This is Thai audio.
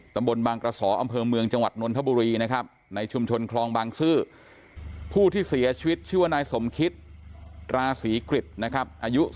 ตำบลบางกระสออำเภอเมืองจังหวัดนนทบุรีนะครับ